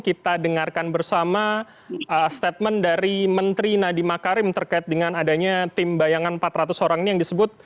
kita dengarkan bersama statement dari menteri nadiem makarim terkait dengan adanya tim bayangan empat ratus orang ini yang disebut